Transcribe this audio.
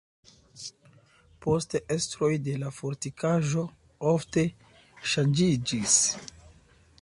Poste estroj de la fortikaĵo ofte ŝanĝiĝis.